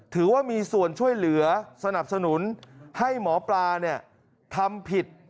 ถือว่ามีส่วนช่วยเหลือสนับสนุนให้หมอปลาทำผิด